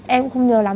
em cũng không nhớ lắm